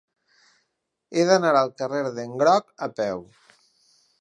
He d'anar al carrer d'en Groc a peu.